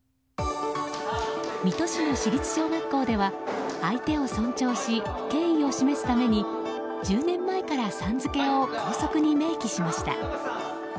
水戸市の私立小学校では相手を尊重し敬意を示すために１０年前から、さん付けを校則に明記しました。